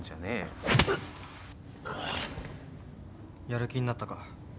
やる気になったか？